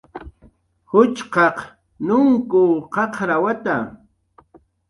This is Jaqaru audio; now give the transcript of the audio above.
Juchqaq nunkw qaqrawata